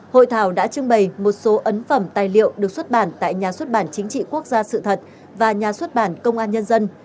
hội thảo đã trưng bày một số ấn phẩm tài liệu được xuất bản tại nhà xuất bản chính trị quốc gia sự thật và nhà xuất bản công an nhân dân